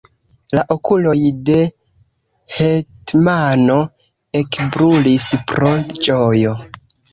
La okuloj de l' hetmano ekbrulis pro ĝojo.